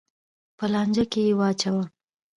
په لانجه کې یې واچوه.